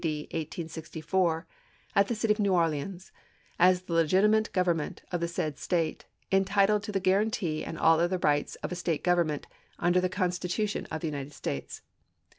d. 1864, at the city of New Orleans, as the legitimate government of said State, entitled to the guarantee "Globe," and all other rights of a State government, under 1865, p. ioii. the Constitution of the United States."